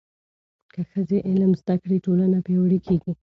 که ښځې علم زده کړي، ټولنه پیاوړې کېږي.